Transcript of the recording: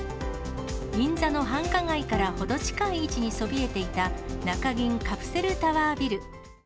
銀座の繁華街から程近い位置にそびえていた、中銀カプセルタワービル。